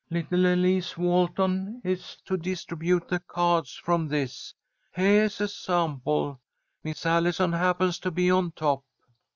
"Little Elise Walton is to distribute the cards from this. Heah is a sample. Miss Allison happens to be on top."